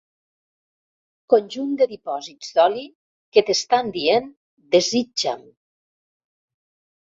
Conjunt de dipòsits d'oli que t'estan dient: “desitja'm”.